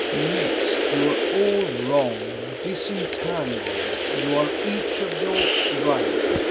"Mixed, you are all wrong. Disentangled, you are each of you right.